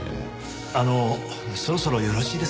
あのそろそろよろしいですか？